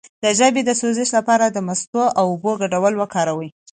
د ژبې د سوزش لپاره د مستو او اوبو ګډول وکاروئ